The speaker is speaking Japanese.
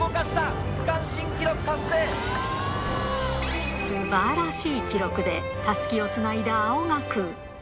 すばらしい記録で、たすきをつないだ青学。